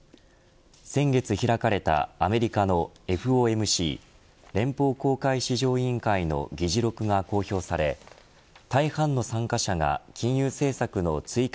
先月開かれたアメリカのＦＯＭＣ＝連邦公開市場委員会の議事録が公表され大半の参加者が金融政策の追加